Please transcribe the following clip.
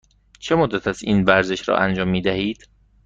چه مدت است این ورزش را انجام می دهید؟